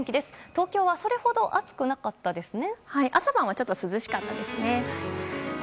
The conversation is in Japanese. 東京はそれほど暑くなかったですね。